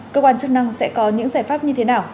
cơ quan chức năng sẽ có những giải pháp như thế nào